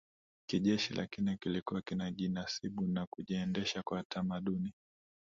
kijeshi lakini kilikuwa kinajinasibu na kujiendesha kwa tamaduni